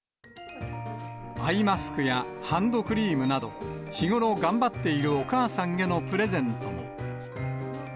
アイマスクやハンドクリームなど、日頃、頑張っているお母さんへのプレゼントも。